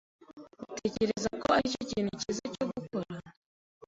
Utekereza ko aricyo kintu cyiza cyo gukora?